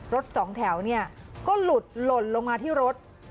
สองแถวเนี่ยก็หลุดหล่นลงมาที่รถ